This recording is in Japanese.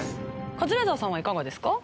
カズレーザーさんはいかがですか？